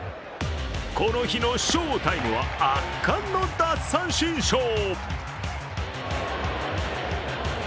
この日の翔タイムは、圧巻の奪三振ショー。